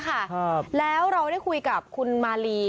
ครับแล้วเราได้คุยกับคุณมาลี